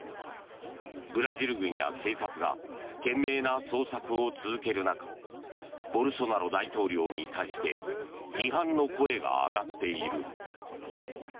ブラジル軍や警察が懸命な捜索を続ける中ボルソナロ大統領に対して批判の声が上がっている。